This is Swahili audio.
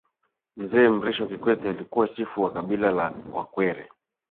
mzee mrisho kikwete alikuwa chifu wa kabila la wakwere